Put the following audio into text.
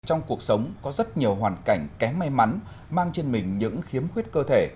trong cuộc sống có rất nhiều hoàn cảnh kém may mắn mang trên mình những khiếm khuyết cơ thể